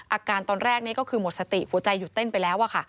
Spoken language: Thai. อาการตอนแรกนี้ก็คือหมดสติหัวใจหยุดเต้นไปแล้ว